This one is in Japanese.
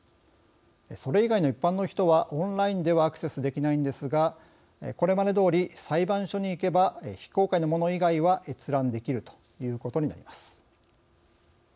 それ以外の一般の人はオンラインではアクセスできないんですがこれまでどおり、裁判所に行けば非公開のもの以外は閲覧できるということになります。